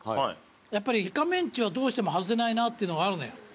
やっぱりイカメンチはどうしても外せないなっていうのがあるのよ。